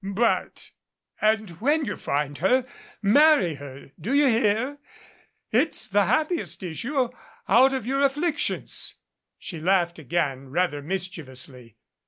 "But " "And when you find her marry her, do you hear ? It's the happiest issue out of your afflictions." She laughed again, rather mischievously.